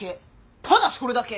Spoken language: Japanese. ただそれだけ！